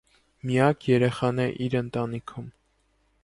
Միակ երեխան է իր ընտանիքում։